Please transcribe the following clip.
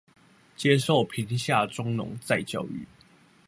接受貧下中農再教育